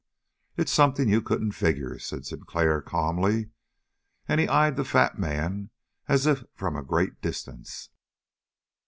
"It's something you couldn't figure," said Sinclair calmly, and he eyed the fat man as if from a great distance.